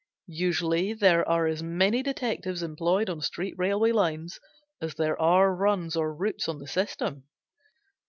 Usually there are as many detectives employed on street railway lines as there are runs or routes on the system.